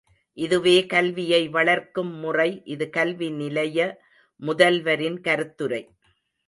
இதுவே கல்வியை வளர்க்கும் முறை இது கல்வி நிலைய முதல்வரின் கருத்துரை.